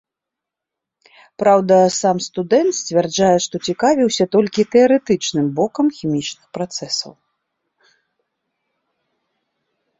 Праўда, сам студэнт сцвярджае, што цікавіўся толькі тэарэтычным бокам хімічных працэсаў.